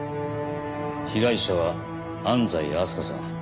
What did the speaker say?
被害者は安西明日香さん。